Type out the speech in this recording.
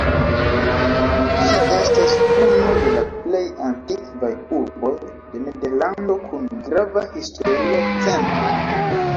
Ĝi estas unu de la plej antikvaj urboj de Nederlando kun grava historia centro.